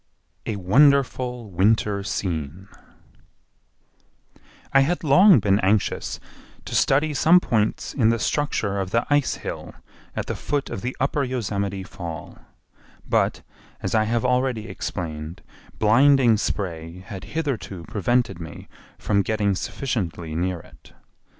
A Wonderful Winter Scene I had long been anxious to study some points in the structure of the ice hill at the foot of the Upper Yosemite Fall, but, as I have already explained, blinding spray had hitherto prevented me from getting sufficiently near it.